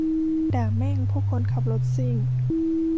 ด่าแม่งพวกคนขับรถซิ่ง